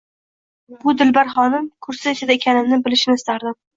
Bu dilbar xonim kursi ichida ekanimni bilishini istardim